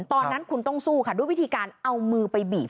ตอนนั้นคุณต้องสู้ค่ะด้วยวิธีการเอามือไปบีบ